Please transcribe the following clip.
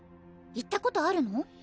行ったことあるの？